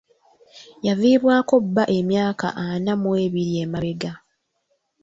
Yaviibwako bba emyaka ana mu ebiri emabega.